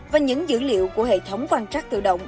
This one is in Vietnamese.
và những dữ liệu của hệ thống quan trắc tự động